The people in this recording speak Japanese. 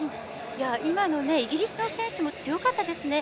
今のイギリスの選手も強かったですよね。